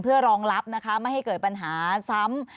เพื่อรองรับนะคะไม่ให้เกิดปัญหาซ้ำ